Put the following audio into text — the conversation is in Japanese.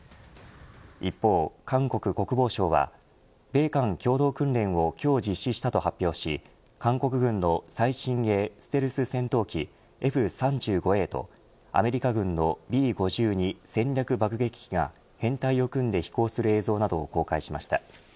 一方、韓国国防省は米韓共同訓練を今日実施したと発表し韓国軍の最新鋭ステルス戦闘機Ｆ３５Ａとアメリカ軍のＢ５２戦略爆撃機が編隊を組んで飛行する映像などを公開しました。